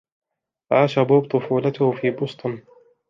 عاش بوب طفولته في بوسطن.